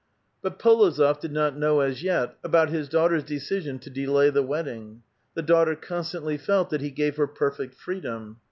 But F61ozof did not know as 3'et about his daughter's decision to delay the wedding; the daughter constantly felt that he gave her perfect freedom.